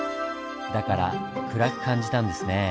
だから暗く感じたんですねぇ。